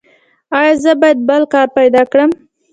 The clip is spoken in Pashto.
ایا زه باید بل کار پیدا کړم؟